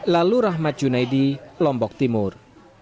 lalu rahmat junaidi lombok timur